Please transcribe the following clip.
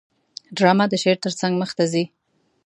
ډرامه د شعر ترڅنګ مخته ځي